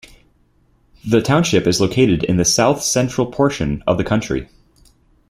The township is located in the south central portion of the county.